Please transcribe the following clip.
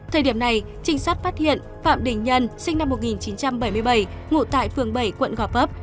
thời điểm này trinh sát phát hiện phạm đình nhân sinh năm một nghìn chín trăm bảy mươi bảy ngụ tại phường bảy quận gò vấp